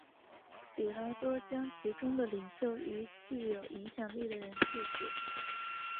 彼拉多将其中的领袖与具有影响力的人处死。